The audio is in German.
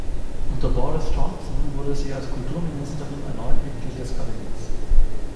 Unter Boris Johnson wurde sie als Kulturministerin erneut Mitglied des Kabinetts.